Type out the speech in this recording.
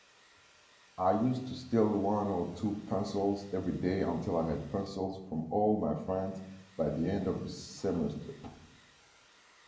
I used to steal one or two pencils every day until I had pencils from all my friends by the end of the semester